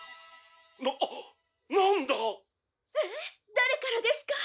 誰からですか？」